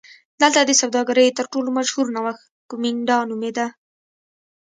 دلته د سوداګرۍ تر ټولو مشهور نوښت کومېنډا نومېده